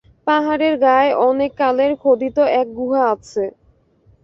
পাহাড়ের গায়ে অনেক কালের খোদিত এক গুহা আছে।